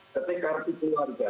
ketik kartu keluarga